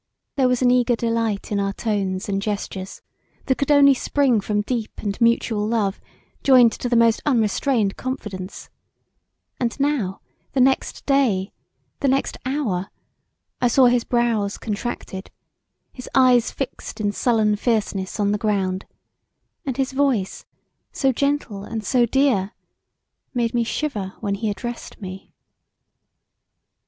There was an eager delight in our tones and gestures that could only spring from deep & mutual love joined to the most unrestrained confidence[;] and now the next day, the next hour, I saw his brows contracted, his eyes fixed in sullen fierceness on the ground, and his voice so gentle and so dear made me shiver when he addressed me.